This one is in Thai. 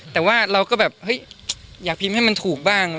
แต่ว่าเราก็แบบเฮ้ยอยากพิมพ์ให้มันถูกบ้าง